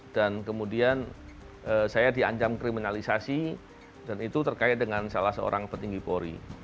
dan kemudian saya dianjam kriminalisasi dan itu terkait dengan salah seorang petinggi polri